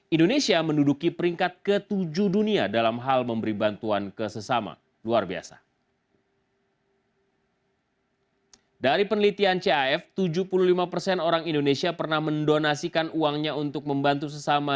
indonesia menduduki peringkat ke tujuh dunia dalam hal memberi bantuan kesesama